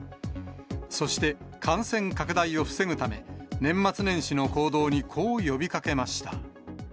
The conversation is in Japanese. そして、感染拡大を防ぐため、年末年始の行動にこう呼びかけました。